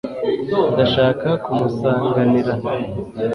ndashaka kumusanganira